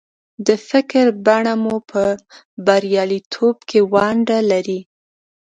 د فکر بڼه مو په برياليتوب کې ونډه لري.